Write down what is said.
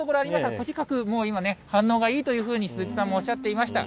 とにかくもう今ね、反応がいいというふうに、すずきさんもおっしゃっていました。